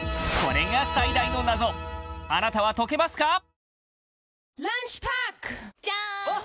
これが最大の謎あなたは解けますか？